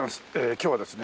今日はですね